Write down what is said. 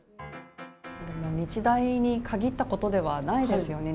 日大に限ったことではないですよね。